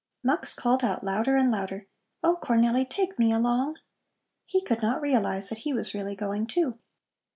Mux called out louder and louder: "Oh, Cornelli, take me along!" He could not realize that he was really going, too.